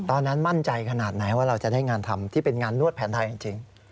ตอนนั้นมั่นใจขนาดไหนว่าเราจะได้งานทำที่เป็นงานนวดแผนไทยจริง